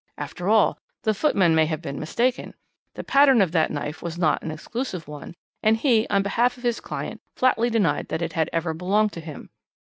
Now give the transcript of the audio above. After all, the footman may have been mistaken. The pattern of that knife was not an exclusive one, and he, on behalf of his client, flatly denied that it had ever belonged to him.